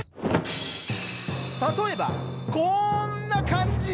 例えば、こんな感じに。